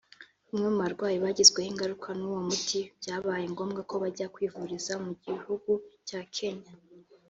Bamwe mu barwayi bagizweho ingaruka n’uwo muti byabaye ngombwa ko bajya kwivuriza mu gihugu cya Kenya